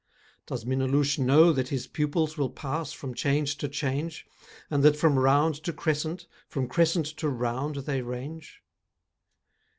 Does Minnaloushe know that his pupils Will pass from change to change, And that from round to crescent, From crescent to round they range?